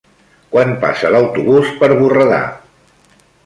Quan passa l'autobús per Borredà?